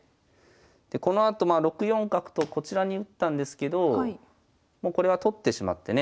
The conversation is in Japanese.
でこのあとまあ６四角とこちらに打ったんですけどもうこれは取ってしまってね。